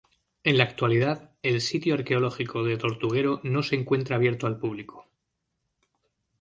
En la actualidad, el sitio arqueológico de Tortuguero no se encuentra abierto al público.